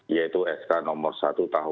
yaitu sk nomor satu tahun dua ribu dua puluh dua